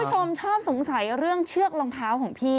คุณผู้ชมชอบสงสัยเรื่องเชือกรองเท้าของพี่